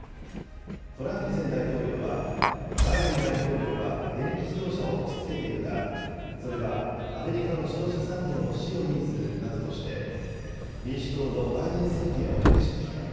トランプ前大統領はバイデン大統領は電気自動車を押しつけているが、それはアメリカの自動車産業の死を意味するなどとして、民主党のバイデン政権を激しく批判。